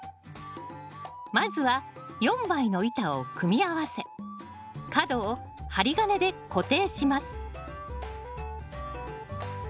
まずは４枚の板を組み合わせ角を針金で固定します